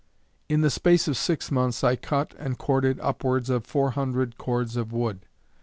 I the space of six months I cut and corded upwards of four hundred cords of wood.